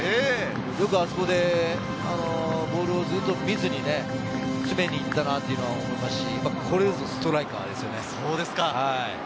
よくあそこで、ボールを見ずに詰めに行ったなと思いますし、これぞストライカーですよね。